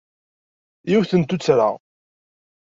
Yiwet n tuttra.